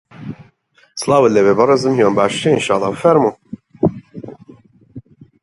پەکوو لێرەشم لێ ناگەڕێن؟